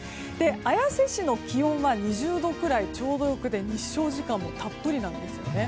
綾瀬市の気温は２０度ぐらいちょうどで日照時間もたっぷりなんですよね。